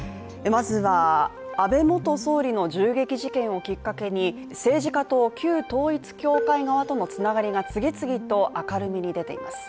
まずは、安倍元総理の銃撃事件をきっかけに政治家と旧統一教会側とのつながりが次々と明るみに出ています。